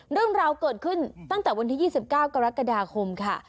เรื่องราวเกิดขึ้นตั้งแต่วันที่๒๙กรกฎาคมค่ะ